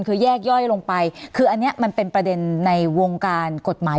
คือแยกย่อยลงไปคืออันนี้มันเป็นประเด็นในวงการกฎหมาย